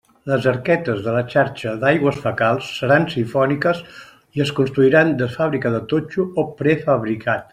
Les arquetes de la xarxa d'aigües fecals seran sifòniques i es construiran de fàbrica de totxo o prefabricat.